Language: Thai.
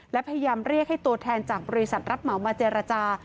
และพยายามเรียกให้ตัวแทนจากบริษัทรับเหมามาเจรจา